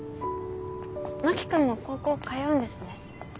真木君も高校通うんですね。